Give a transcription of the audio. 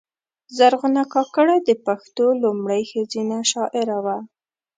زرغونه کاکړه د پښتو لومړۍ ښځینه شاعره وه .